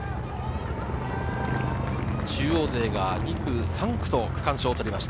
中央勢が２区、３区と区間賞を取りました。